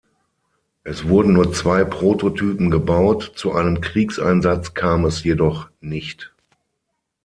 Es wurden nur zwei Prototypen gebaut, zu einem Kriegseinsatz kam es jedoch nicht.